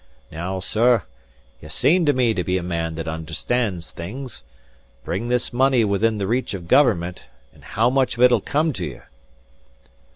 Now, sir, ye seem to me to be a man that understands things: bring this money within the reach of Government, and how much of it'll come to you?"